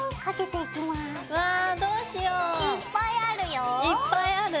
いっぱいある。